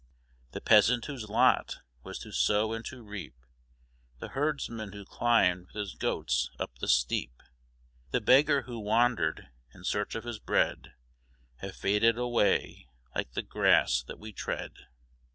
The peasant whose lot was to sow and to reap, The herdsman who climbed with his goats up the steep, The beggar who wandered in search of his bread, Have faded away like the grass that we tread.